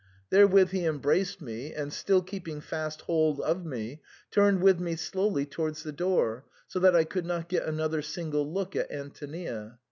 *' There with he embraced me, and, still keeping fast hold of me, turned with me slowly towards the door, so that I could not get another single look at Antonia.